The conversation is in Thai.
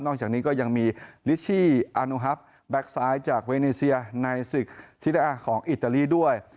จากนี้ก็ยังมีลิชชี่อานุฮัฟแบ็คซ้ายจากเวเนเซียในศึกชิดาของอิตาลีด้วย